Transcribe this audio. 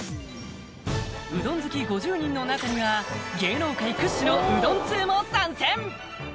うどん好き５０人の中には芸能界屈指のうどん通も参戦！